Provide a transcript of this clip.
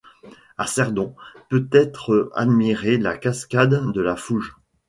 À Cerdon, peut être admirée la cascade de la Fouge.